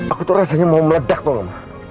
aku tuh rasanya mau meledak tolong